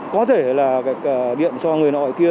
có thể là điện cho người nội kia